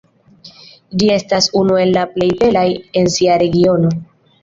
Ĝi estas unu el la plej belaj en sia regiono.